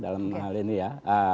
dalam hal ini ya